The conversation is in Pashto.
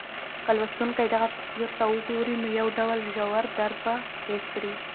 که لوستونکی دغه تصویر ته وګوري، نو یو ډول ژور درد به حس کړي.